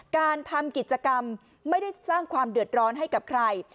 การทำกิจกรรมไม่ได้สร้างความเดือดร้อนให้กับใคร